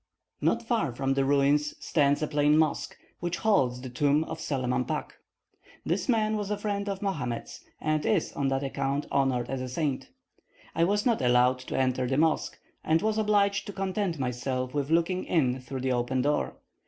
Not far from the ruins stands a plain mosque, which holds the tomb of Selamam Pak. This man was a friend of Mahomet's, and is on that account honoured as a saint. I was not allowed to enter the mosque, and was obliged to content myself with looking in through the open door.